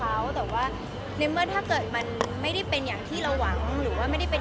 แยกกันอยู่หนูยังอายุไม่เยอะค่ะก็ยังเรียนรู้ได้อีก